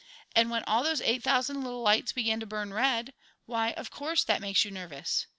And when all those eight thousand little lights begin to burn red, why, of course that makes you nervous!